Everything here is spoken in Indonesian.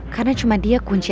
karena cuma dia kunci